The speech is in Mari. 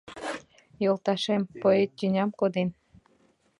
…Йолташем, поэт, тӱням коден.